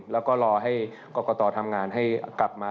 แล้วก็รอให้กรกตทำงานให้กลับมา